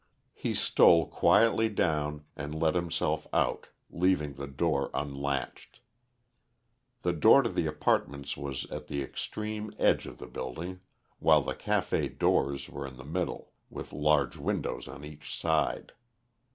He stole quietly down and let himself out, leaving the door unlatched. The door to the apartments was at the extreme edge of the building, while the café doors were in the middle, with large windows on each side.